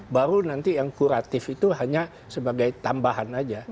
baru nanti yang kuratif itu hanya sebagai tambahan aja